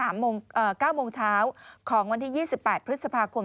๙โมงเช้าของวันที่๒๘พฤษภาคม